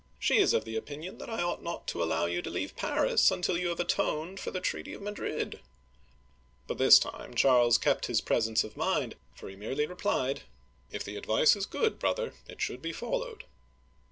She is of the opin ion that I ought not to allow you to leave Paris until you have atoned for the treaty of Madrid/' But this time Charles kept his presence of mind, for he merely replied :" If the advice is good, brother, it should be followed